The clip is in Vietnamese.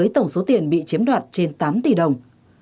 tổng số tiền bị chiếm đoạt trên tám tỷ đồng